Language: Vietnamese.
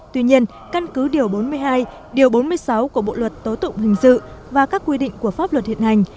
tuy nhiên căn cứ điều bốn mươi hai điều bốn mươi sáu của bộ luật tố tụng hình sự và các quy định của pháp luật hiện hành